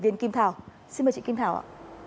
xin mời chị kim thảo ạ